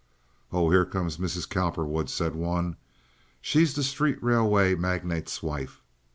"Oh, here comes Mrs. Cowperwood," said one. "She's the street railway magnate's wife.